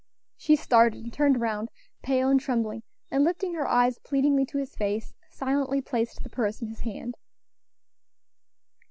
She started, and turned round, pale and trembling, and lifting her eyes pleadingly to his face, silently placed the purse in his hand.